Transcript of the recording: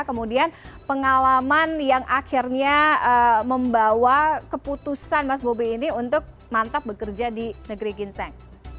kemudian pengalaman yang akhirnya membawa keputusan mas bobi ini untuk mantap bekerja di negeri ginseng